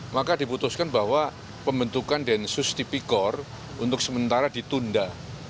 maka diputuskan bahwa pembentukan densus tipikor untuk sementara ditunda